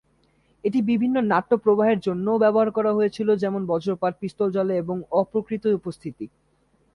এটি বিভিন্ন নাট্য প্রভাবের জন্যও ব্যবহার করা হয়েছিল, যেমন বজ্রপাত, পিস্তল জ্বলে, এবং অতিপ্রাকৃত উপস্থিতি।